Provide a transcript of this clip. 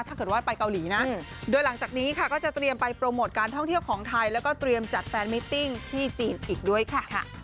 ถ้าเกิดว่าไปเกาหลีนะโดยหลังจากนี้ค่ะก็จะเตรียมไปโปรโมทการท่องเที่ยวของไทยแล้วก็เตรียมจัดแฟนมิตติ้งที่จีนอีกด้วยค่ะ